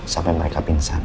sampai mereka pingsan